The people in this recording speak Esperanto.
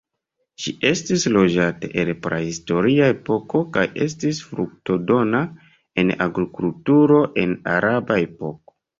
Ĝi estis loĝata el prahistoria epoko kaj estis fruktodona en agrikulturo en araba epoko.